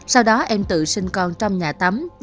sau đó em tự sinh con trong nhà tắm